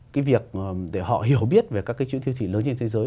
cái việc để họ hiểu biết về các cái chuỗi siêu thị lớn trên thế giới